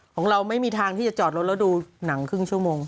ของเราไม่มีทางที่จะจอดรถแล้วดูหนังครึ่งชั่วโมง